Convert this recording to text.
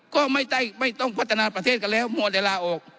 ก็ไม่ต้องพัฒนาประเทศกันแล้วมัวแต่ลาออก